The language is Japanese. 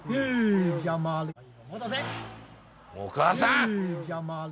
お母さん。